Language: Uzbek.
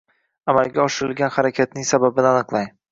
Amalga oshirilgan harakatning sababini aniqlang